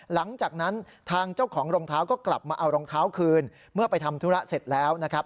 หลังจากนั้นทางเจ้าของรองเท้าก็กลับมาเอารองเท้าคืนเมื่อไปทำธุระเสร็จแล้วนะครับ